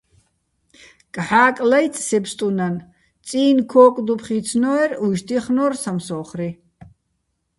კჵა́კ ლაჲწი̆ სე ბსტუნან, წი́ნი̆ ქო́კდუფხ იცნო́ერ, უჲშტ ჲეხნო́რ სამსო́ხრი...